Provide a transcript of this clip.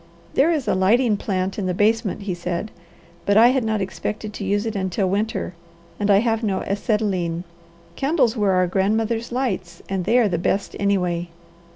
"There is a lighting plant in the basement," he said, "but I had not expected to use it until winter, and I have no acetylene. Candles were our grandmothers' lights and they are the best anyway.